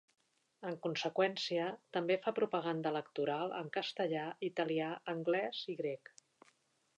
En conseqüència, també fa propaganda electoral en castellà, italià, anglès i grec.